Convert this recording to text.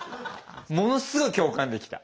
ものすごい共感できた。